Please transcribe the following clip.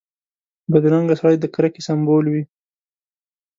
بدرنګه سړی د کرکې سمبول وي